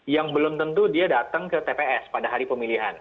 yang belum tentu dia datang ke tps pada hari pemilihan